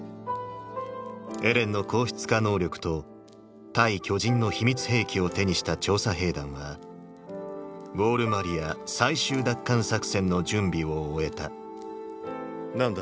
エレンの硬質化能力と対巨人の秘密兵器を手にした調査兵団はウォール・マリア最終奪還作戦の準備を終えた何だ？